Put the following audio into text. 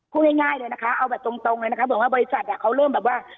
ผมให้ง่ายดูนะครับเอาแบบตรงเลยบริษัทเข้าเริ่มแบบว่า